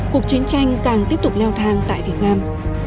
cuộc chiến tranh càng tiếp tục leo thang tại việt nam